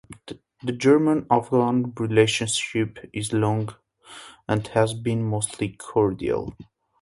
The German-Afghan relationship is long and has been mostly cordial.